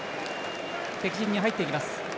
敵陣に入っていきます。